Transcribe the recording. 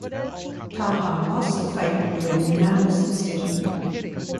Taha lost the fight via unanimous decision.